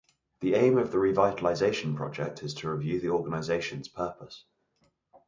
The aim of the Revitalisation Project is to review the organisation's purpose.